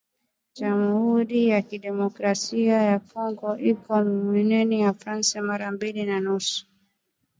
Jamhuri ya kidemocrasia ya kongo iko munene kwa France mara mbili na nusu